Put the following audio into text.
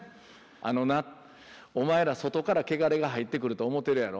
あのなお前ら外からけがれが入ってくると思てるやろ。